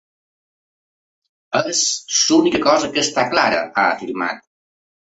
És l’única cosa que està clara, ha afirmat.